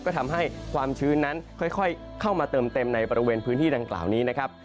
ก็ทำให้ความชื้นนั้นค่อยเข้ามาเติมเต็มในบริเวณพื้นที่ดังกล่าวนี้นะครับ